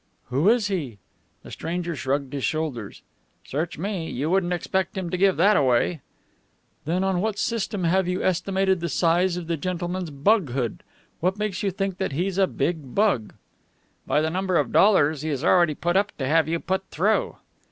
"Who is he?" The stranger shrugged his shoulders. "Search me. You wouldn't expect him to give that away." "Then on what system have you estimated the size of the gentleman's bug hood? What makes you think that he's a big bug?" "By the number of dollars he was ready to put up to have you put through."